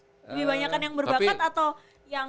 lebih banyak kan yang berbakat atau yang